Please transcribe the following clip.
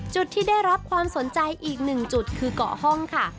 จุดที่ได้รับความสนใจอีกหนึ่งจุดคือเกาะห้องค่ะ